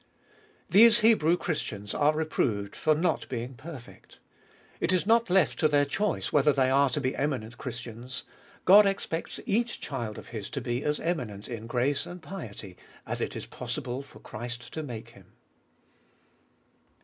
/. These Hebrew Christians are reproved for not being perfect. It is not left to their choice whether they are to be eminent Christians. God expects each child of His to be as eminent In grace and piety as it is possible for Christ to make him.